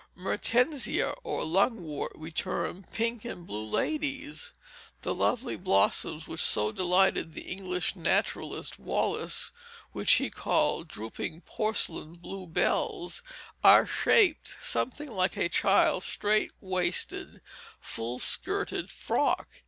Mertensia, or lungwort, we termed "pink and blue ladies." The lovely blossoms, which so delighted the English naturalist Wallace, and which he called "drooping porcelain blue bells," are shaped something like a child's straight waisted, full skirted frock.